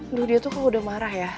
aduh dia tuh kalo udah marah ya